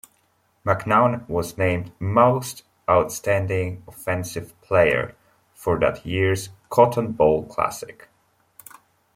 McNown was named Most Outstanding Offensive Player for that year's Cotton Bowl Classic.